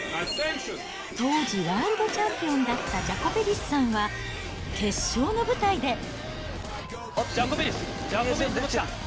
当時、ワールドチャンピオンだったジャコベリスさんは、決勝の舞台で。